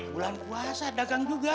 bulan puasa dagang juga